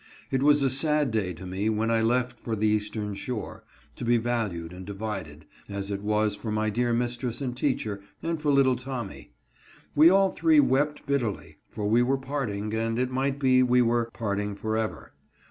It was a sad day to me when I left for the Eastern Shore, to be valued and divided, as it was for my dear mistress and teacher, and for little Tommy. We all three wept bitterly, for we were parting, and it might be we were parting forever.